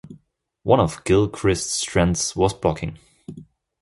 One of Gilchrist's strengths was blocking.